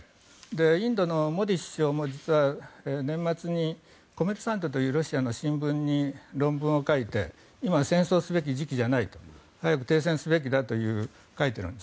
インドのモディ首相も実は年末にロシアの新聞に論文を書いて今、戦争すべき時期じゃない早く停戦すべきだと書いているんです。